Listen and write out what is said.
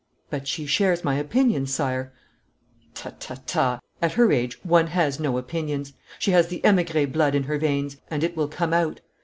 'But she shares my opinions, Sire.' 'Ta, ta, ta, at her age one has no opinions. She has the emigre blood in her veins, and it will come out.